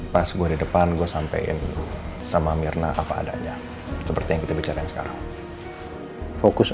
pas gue di depan gue sampein sama mirna apa adanya seperti yang kita bicarakan sekarang fokus